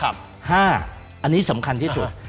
อันนี้สำคัญที่สุด